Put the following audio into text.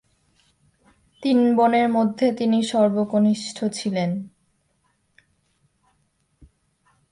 তিন বোনের মধ্যে তিনি সর্বকনিষ্ঠ ছিলেন।